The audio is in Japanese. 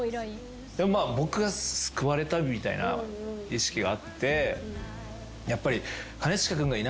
まあ僕は救われたみたいな意識があってやっぱり。